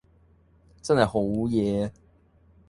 真係好嘢￼￼